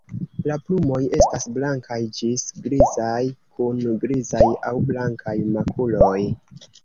La plumoj estas blankaj ĝis grizaj kun grizaj aŭ blankaj makuloj.